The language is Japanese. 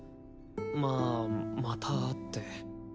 まあまた会って